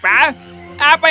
kami akan menemukan telurmu